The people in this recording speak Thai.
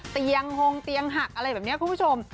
เตียงโฮงเตียงหักอะไรแบบนี้คุณผู้ชม